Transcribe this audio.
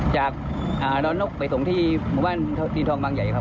จากดอนนกไปส่งที่หมู่บ้านตีทองบางใหญ่ครับ